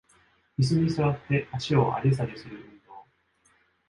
イスに座って足を上げ下げする運動